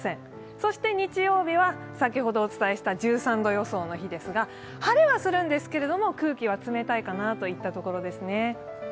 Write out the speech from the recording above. そして日曜日は先ほどお伝えした１３度予想の日ですが晴れはするんですけれども空気は冷たいかなといったところです。